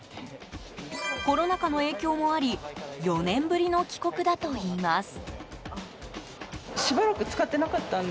コロナ禍の影響もあり４年ぶりの帰国だといいます。